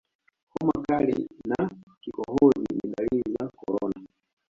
homa kali na kikohozi ni dalili za korona